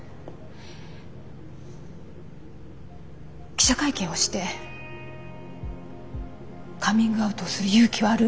記者会見をしてカミングアウトをする勇気はある？